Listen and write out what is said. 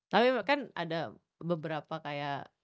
tapi kan ada beberapa kayak